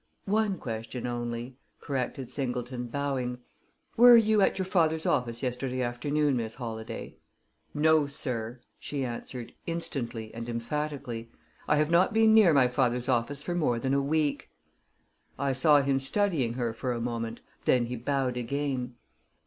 "One question only," corrected Singleton, bowing. "Were you at your father's office yesterday afternoon, Miss Holladay?" "No, sir," she answered, instantly and emphatically. "I have not been near my father's office for more than a week." I saw him studying her for a moment, then he bowed again.